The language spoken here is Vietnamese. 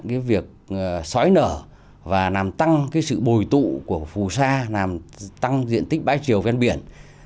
cái việc xói nở và làm tăng cái sự bồi tụ của phù sa làm tăng diện tích bãi triều ven biển